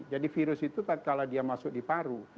jadi virus itu kalau dia masuk di paru